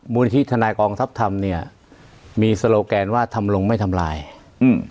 มูลนิธิทนายกองทัพธรรมเนี้ยมีโซโลแกนว่าทำลงไม่ทำลายอืม